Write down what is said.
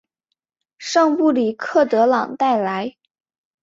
圣布里克德朗代莱。